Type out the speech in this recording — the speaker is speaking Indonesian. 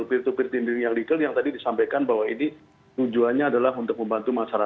peer to peer team yang legal yang tadi disampaikan bahwa ini tujuannya adalah untuk membantu masyarakat